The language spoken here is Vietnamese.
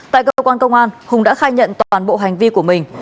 tại cơ quan công an hùng đã khai nhận toàn bộ hành vi của mình